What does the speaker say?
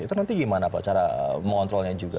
itu nanti gimana pak cara mengontrolnya juga